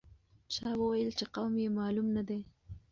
چا وویل چې قوم یې معلوم نه دی.